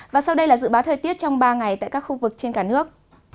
và sau đây là dự báo thời tiết trong ba ngày tại các khu vực trên cả nước